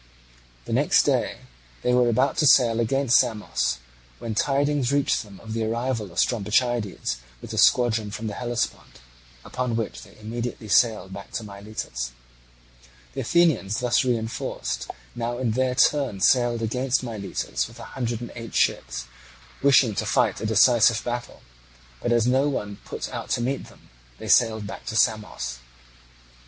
The next day they were about to sail against Samos, when tidings reached them of the arrival of Strombichides with the squadron from the Hellespont, upon which they immediately sailed back to Miletus. The Athenians, thus reinforced, now in their turn sailed against Miletus with a hundred and eight ships, wishing to fight a decisive battle, but, as no one put out to meet them, sailed back to Samos.